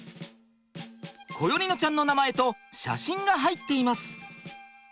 心縁乃ちゃんの名前と写真が入っています！